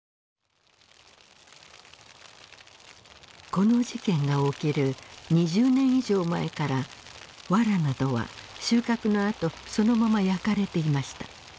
この事件が起きる２０年以上前からわらなどは収穫のあとそのまま焼かれていました。